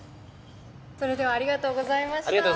それではありがとうございました。